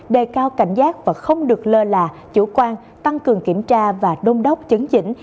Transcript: đề cao cảnh giác và không được lơ là chủ quan tăng cường kiểm tra và đông đốc chứng dĩnh